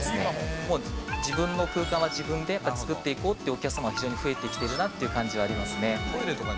もう自分の空間は自分でやっぱり作っていこうというお客様が、非常に増えてきているなという感じですね。